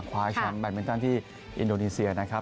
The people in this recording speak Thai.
คว้าแชมป์แบตมินตันที่อินโดนีเซียนะครับ